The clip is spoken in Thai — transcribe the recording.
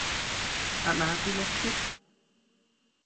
อะนาฟิแล็กซิส